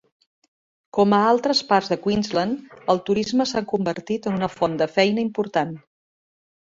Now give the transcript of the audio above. Com a altres parts de Queensland, el turisme s'ha convertit en una font de feina important.